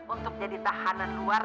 untuk jadi tahanan luar